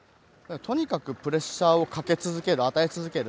とにかくプレッシャーを与え続ける。